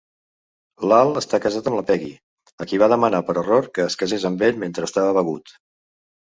L'Al està casat amb la Peggy, a qui va demanar per error que es casés amb ell mentre estava begut.